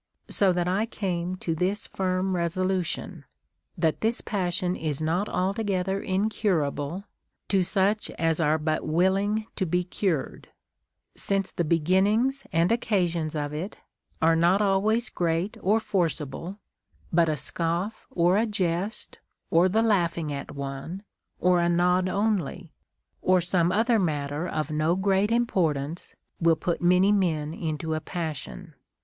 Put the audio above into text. So that I came to this firm resolution, that this passion is not altogether incurable to such as are but Avilling to be cured ; since the beginnings and occa sions of it are not always great or forcible ; but a scoif, or a jest, or the laughing at one, or a nod only, or some other matter of no great importance, Λνϋΐ put many men into a passion.